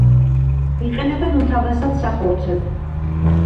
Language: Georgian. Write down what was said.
იყენებენ უმთავრესად სახორცედ.